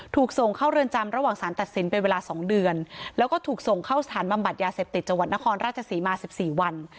ถูกส่งเข้าเรือนจำระหว่างสารตัดสินเป็นเวลา๒เดือนแล้วก็ถูกส่งเข้าสถานบำบัดยาเสพติดจังหวัดนครราชศรีมา๑๔วัน